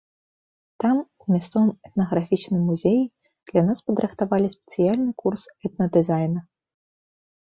Там, у мясцовым этнаграфічным музеі, для нас падрыхтавалі спецыяльны курс этна-дызайна.